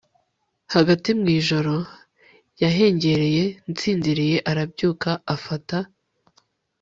hagati mu ijoro, yahengereye nsinziriye, arabyuka, afata